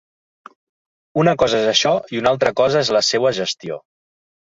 Una cosa és això i una altra cosa és la seua gestió.